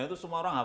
itu semua orang apa